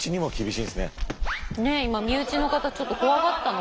ねえ今身内の方ちょっと怖がったのかな？